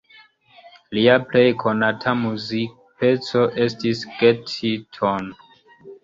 Lia plej konata muzikpeco estis "Get It On".